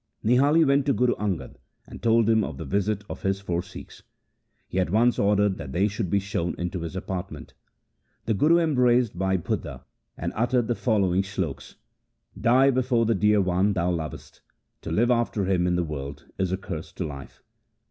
Nihali went to Guru Angad, and told him of the visit of his four Sikhs. He at once ordered that they should be shown into his apartment. The Guru embraced Bhai Budha and uttered the follow ing sloks: — Die before the dear one thou lovest ; To live after him in the world is a curse to life.